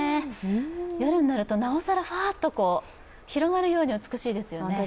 夜になると、なおさらふぁっと広がるように美しいですよね。